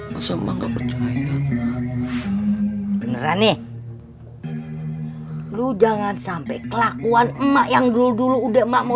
masa bangga percaya beneran nih lu jangan sampai kelakuan emak yang dulu dulu udah emak mau